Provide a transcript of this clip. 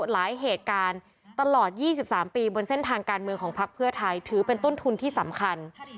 หลายเหตุการณ์ตลอด๒๓ปีบนเส้นทางการเมืองของพักเพื่อไทยถือเป็นต้นทุนที่สำคัญ